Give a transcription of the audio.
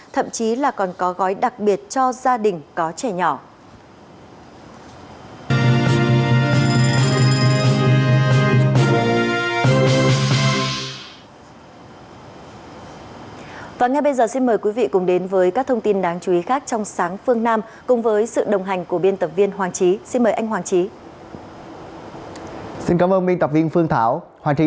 thậm chí là còn có gói đặc biệt cho gia đình có trẻ nhỏ